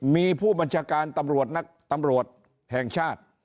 มีผู้บัญชาการตำรวจนักตำรวจแห่งชาติ